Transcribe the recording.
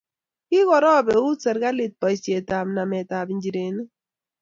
Kokoroop eut serikalit boisyetab nametab injireniik.